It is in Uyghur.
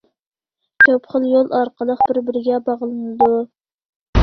كۆپ خىل يول ئارقىلىق بىر- بىرىگە باغلىنىدۇ.